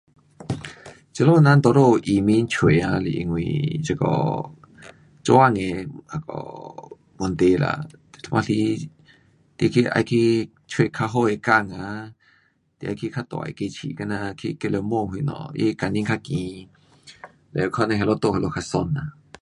这里的人多数移民出啊是因为这个做工的那个问题啦。有半时你去要去找较好的工啊，就要去较大的市政，像呐去吉隆坡什么 um 它的工钱较高，嘞可能那里住那里较爽。